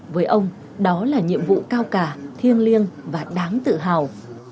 với ông đó là nhiệm vụ cao cả thiêng liêng và đáng tự hào